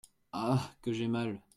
Ah ! que j’ai mal !